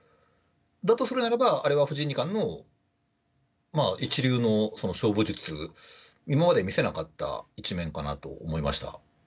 だとするのであれば、あれは藤井二冠の一流の勝負術、今まで見せなかった一面かなと思いました。